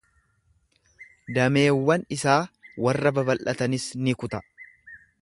Dameewwan isaa warra babal'atanis ni kuta.